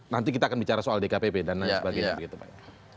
nanti kita akan bicara soal dkpp dan lain sebagainya begitu pak